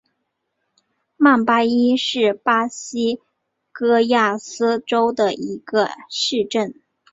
曼巴伊是巴西戈亚斯州的一个市镇。